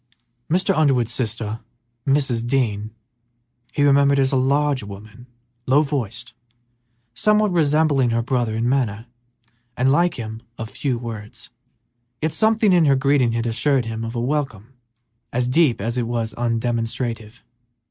Mr. Underwood's sister, Mrs. Dean, he remembered as a large woman, low voiced, somewhat resembling her brother in manner, and like him, of few words, yet something in her greeting had assured him of a welcome as deep as it was undemonstrative.